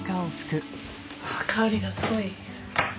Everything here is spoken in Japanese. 香りがすごい。